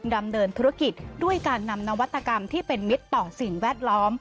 ดำเนินธุรกิจด้วยการนำนวัตกรรมที่เป็นมิตรต่อสิ่งแวดล้อม